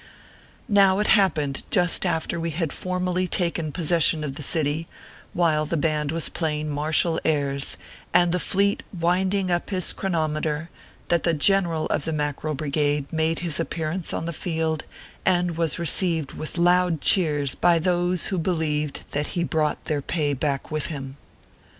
Now it happened, just after we had formally taken possession of the city, while the band was playing martial airs, and the fleet winding up his chronome ter, that the General of the Mackerel Brigade made his appearance on the field, and was received with loud cheers by those who believed that he brought their pay back with him.